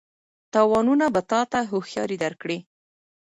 تاوانونه به تا ته هوښیاري درکړي.